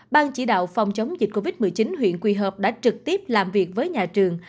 ban chỉ đạo phòng chống dịch covid một mươi chín huyện quỳ hợp đã trực tiếp làm việc với nhà trường